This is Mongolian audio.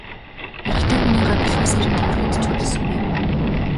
Эрэгтэй хүний гар бэлхүүсээр нь тэврэхэд ч хөдөлсөнгүй.